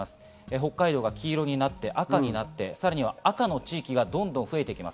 北海道が黄色になって、赤になって、さらに赤の地域がどんどん増えていきます。